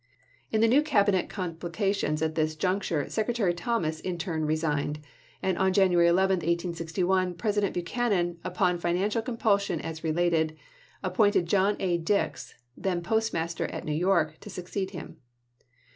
In the new Cabinet complications at this junc ture Secretary Thomas in turn resigned, and on January 11, 1861, President Buchanan, upon finan cial compulsion as related, appointed John A. Dix, then postmaster at New York, to succeed him.